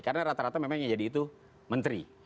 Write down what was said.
karena rata rata memang yang jadi itu menteri